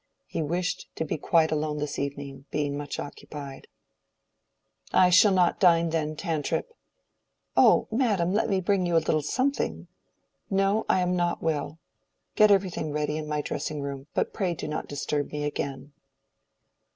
He wished to be quite alone this evening, being much occupied. "I shall not dine, then, Tantripp." "Oh, madam, let me bring you a little something?" "No; I am not well. Get everything ready in my dressing room, but pray do not disturb me again."